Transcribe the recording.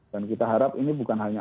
dan kita harap ini bukan hanya